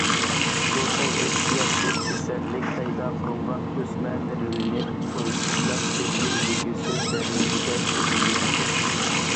بۇ خىل ئىرسىيەتلىك كېسەللىك پەيدا قىلغان ئۆسمە نېرۋىنى بويلاپ تىزگىنلىگۈسىز دەرىجىدە كۆپىيىدىكەن.